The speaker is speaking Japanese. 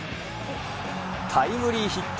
タイムリーヒット。